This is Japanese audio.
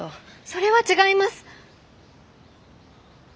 それは違います！